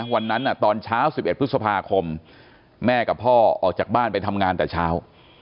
วันนั้นตอนเช้า๑๑พฤษภาคมแม่กับพ่อออกจากบ้านไปทำงานแต่เช้า